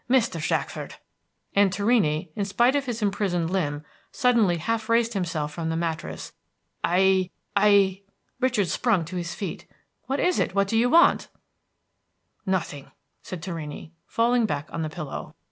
Mr. Shackford!" and Torrini, in spite of his imprisoned limb, suddenly half raised himself from the mattress. "I I" Richard sprung to his feet. "What is it, what do you want?" "Nothing," said Torrini, falling back on the pillow.